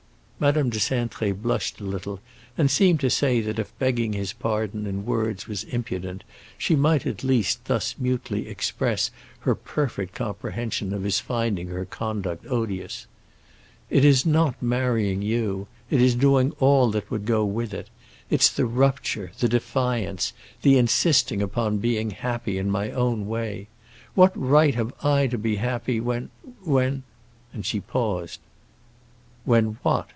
Madame de Cintré blushed a little and seemed to say that if begging his pardon in words was impudent, she might at least thus mutely express her perfect comprehension of his finding her conduct odious. "It is not marrying you; it is doing all that would go with it. It's the rupture, the defiance, the insisting upon being happy in my own way. What right have I to be happy when—when"—And she paused. "When what?"